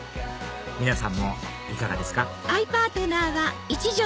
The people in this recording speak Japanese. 皆さんもいかがですか？